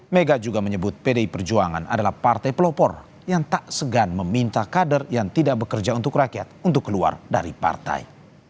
mega juga menyebut pdi perjuangan adalah partai pelopor yang tak segan meminta kader yang tidak bekerja untuk rakyat untuk keluar dari partai